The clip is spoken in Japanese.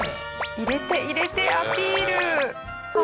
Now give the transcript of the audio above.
入れて入れてアピール。